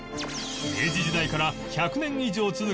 明治時代から１００年以上続く